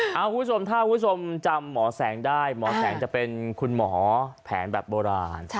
คุณผู้ชมถ้าคุณผู้ชมจำหมอแสงได้หมอแสงจะเป็นคุณหมอแผนแบบโบราณ